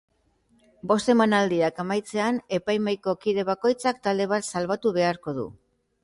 Bost emanaldiak amaitzean, epaimahaiko kide bakoitzak talde bat salbatu beharko du.